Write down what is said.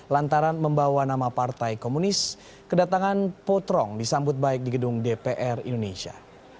lantaran membawa nama partai komunis kedatangan potrong disambut baik di gedung dpr indonesia